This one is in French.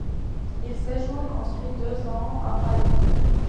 Il séjourne ensuite deux ans à Paris.